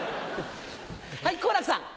はい好楽さん。